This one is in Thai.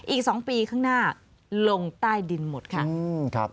อีก๒ปีข้างหน้าลงใต้ดินหมดค่ะ